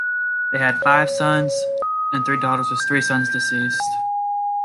They had five sons and three daughters, with three sons deceased.